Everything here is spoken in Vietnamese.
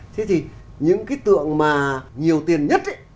thế thì những cái tượng mà nhiều tiền nhất ấy